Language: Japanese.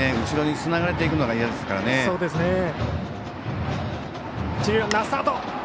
後ろにつながれていくのがいやですからね。